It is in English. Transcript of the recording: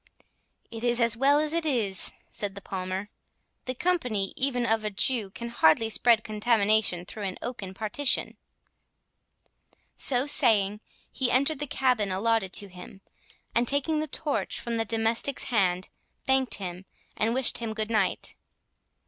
"It is as well as it is," said the Palmer; "the company, even of a Jew, can hardly spread contamination through an oaken partition." So saying, he entered the cabin allotted to him, and taking the torch from the domestic's hand, thanked him, and wished him good night.